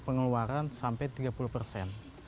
pengeluaran sampai tiga puluh persen